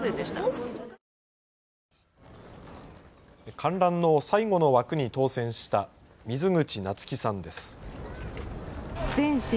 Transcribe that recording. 観覧の最後の枠に当せんした水口奈津季さんです。